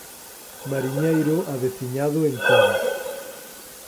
Mariñeiro aveciñado en Covas.